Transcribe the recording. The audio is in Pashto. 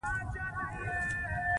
طلا د افغان ماشومانو د لوبو موضوع ده.